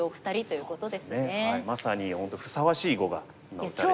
まさに本当ふさわしい碁が今打たれてる。